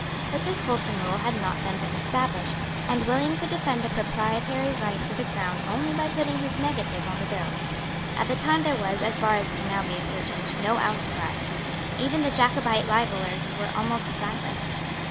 But this wholesome rule had not then been established; and William could defend the proprietary rights of the Crown only by putting his negative on the bill. At the time there was, as far as can now be ascertained, no outcry. Even the Jacobite libellers were almost silent.